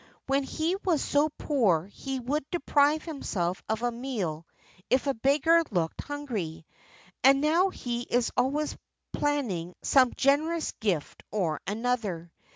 When he was so poor he would deprive himself of a meal if a beggar looked hungry; and now he is always planning some generous gift or other.